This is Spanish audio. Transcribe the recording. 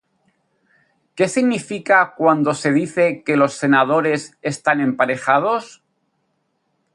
¿Qué significa cuando se dice que los Senadores están emparejados?